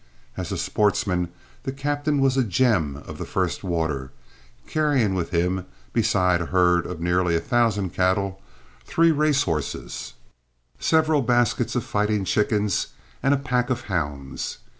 As a sportsman the captain was a gem of the first water, carrying with him, besides a herd of nearly a thousand cattle, three race horses, several baskets of fighting chickens, and a pack of hounds.